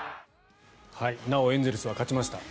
なおエンゼルスは勝ちました。